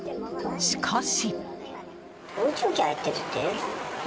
しかし。